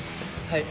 はい。